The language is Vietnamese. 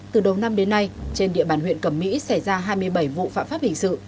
từ đầu năm đến nay trên địa bàn huyện cẩm mỹ xảy ra hai mươi bảy vụ phạm pháp hình sự